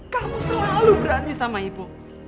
kamu selalu berani sama ibu